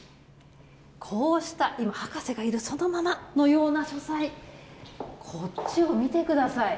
こうした、博士がいるそのままのような書斎、こっちを見てください。